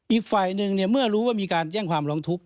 อีกฝ่ายหนึ่งเมื่อรู้ว่ามีการแจ้งความร้องทุกข์